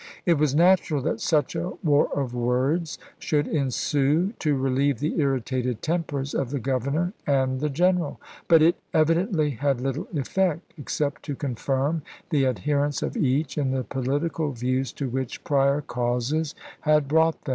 It was natural that such a war of words should ensue to relieve the irritated tempers of the Governor and the General ; but it evidently had little effect, except to confiiTQ the adherents of each in the political views to which prior causes had brought them.